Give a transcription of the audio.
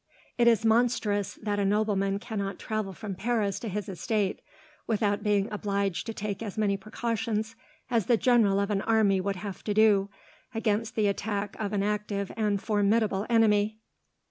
It is monstrous that a nobleman cannot travel from Paris to his estate, without being obliged to take as many precautions as the general of an army would have to do, against the attack of an active and formidable enemy."